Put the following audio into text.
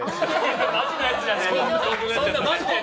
マジなやつじゃねえか。